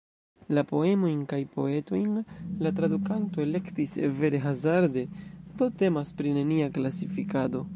La poemojn kaj poetojn la tradukanto elektis vere hazarde, do temas pri nenia klasifikado.